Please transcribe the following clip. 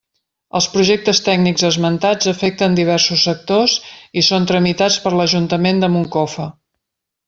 Els projectes tècnics esmentats afecten diversos sectors i són tramitats per l'Ajuntament de Moncofa.